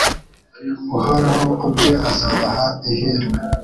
Uhoraho ubwe azabaha ihirwe